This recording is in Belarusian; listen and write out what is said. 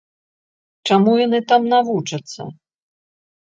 Чаму яны там навучацца?